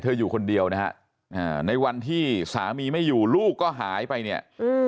อยู่คนเดียวนะฮะในวันที่สามีไม่อยู่ลูกก็หายไปเนี่ย